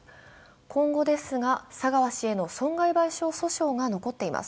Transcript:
今後ですが佐川氏への損害賠償訴訟が残っています。